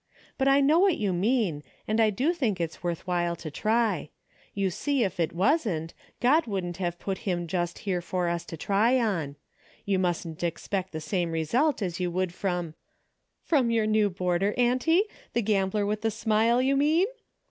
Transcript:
But I know what you mean, and I do think it's worth while to try. You see if it wasn't, God wouldn't have put him just here for us to try on. You mustn't ex pect the same result as you would from " "From your new boarder, auntie? The gambler with the smile you mean?"